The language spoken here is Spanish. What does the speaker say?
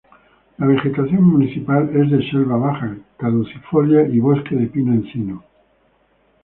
La vegetación municipal es de "selva baja caducifolia" y "bosque de pino-encino".